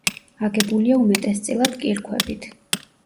აგებულია უმეტესწილად კირქვებით.